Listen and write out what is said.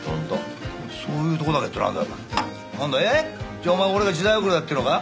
じゃあお前俺が時代遅れだっていうのか？